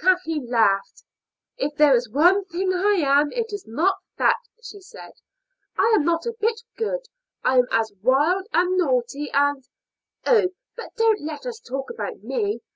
Kathleen laughed. "If there is one thing I am, it is not that," she said. "I am not a bit good. I am as wild and naughty and Oh, but don't let us talk about me.